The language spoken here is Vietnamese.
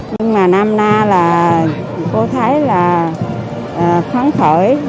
nhưng mà năm nay là cô thấy là phấn khởi